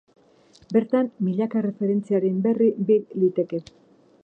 Bertan, milaka erreferentziaren berri bil liteke.